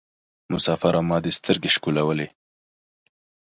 مسافره ما دي سترګي شکولولې